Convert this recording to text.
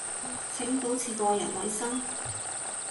請保持個人衛生